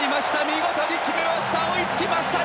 見事に決めました。